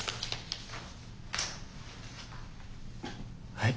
はい。